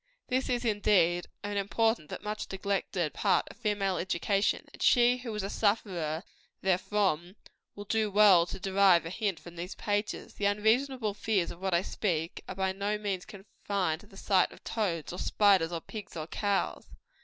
This is, indeed, an important but much neglected part of female education; and she who is a sufferer therefrom, will do well to derive a hint from these pages. The unreasonable fears of which I speak, are by no means confined to the sight of toads, or spiders, or pigs, or cows.